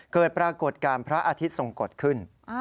เกิดปรากฏการณ์พระอาทิตย์ทรงกฎขึ้น